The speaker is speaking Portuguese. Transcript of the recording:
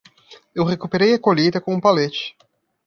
Eu recuperei a colheita com um palete.